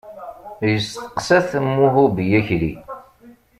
Yesteqsa-t Muhubi Akli.